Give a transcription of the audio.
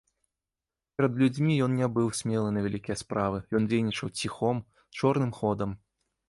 Перад людзьмі ён не быў смелы на вялікія справы, ён дзейнічаў ціхом, чорным ходам.